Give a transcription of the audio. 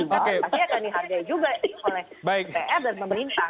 yang akan dihargai juga oleh pr dan pemerintah